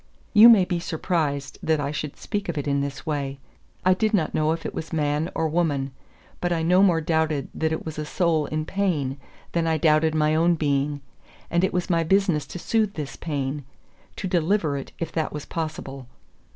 You may be surprised that I should speak of it in this way. I did not know if it was man or woman; but I no more doubted that it was a soul in pain than I doubted my own being; and it was my business to soothe this pain, to deliver it, if that was possible.